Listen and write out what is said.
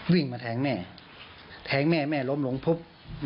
วิ่งมาแทงแม่แทงแม่แม่ล้มลงปุ๊บ